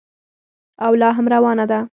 او لا هم روانه ده.